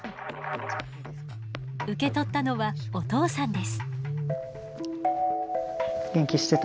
受け取ったのはお父さんです。